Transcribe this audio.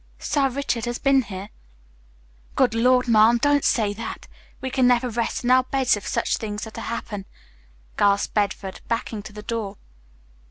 Sir Richard has been here." "Good Lord, ma'am, don't say that! We can never rest in our beds if such things are to happen," gasped Bedford, backing to the door.